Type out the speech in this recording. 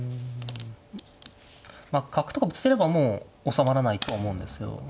まあ角とかぶつければもう収まらないと思うんですよ。